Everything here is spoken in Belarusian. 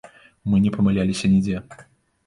Мы не памыляліся нідзе.